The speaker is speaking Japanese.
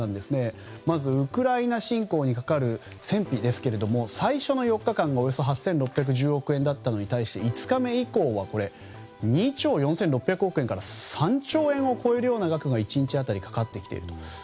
まずウクライナ侵攻にかかる戦費最初の４日間がおよそ８６１０億円だったのに対して５日以降は２兆４６００億円から３兆円を超えるような額が１日当たりかかってきていると。